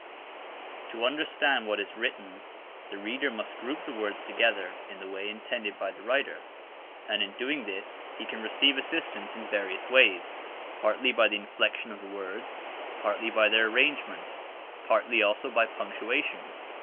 To understand what is written, the reader must group the words together in the way intended by the writer; and in doing this he can receive assistance in various ways. Partly by the inflection of the words; partly by their arrangement; partly also by punctuation.